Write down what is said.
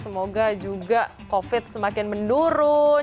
semoga juga covid semakin menurun